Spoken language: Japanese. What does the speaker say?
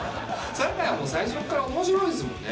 酒井はもう最初から面白いですもんね。